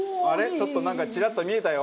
ちょっとなんかチラッと見えたよ。